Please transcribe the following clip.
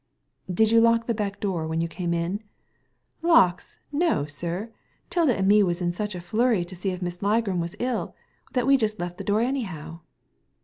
" Did you lock the back door when you came in ?"Lawks, no, sir t 'Tilda and me was in such a flurry to see if Miss Ligram was ill that we just left the door anyhow.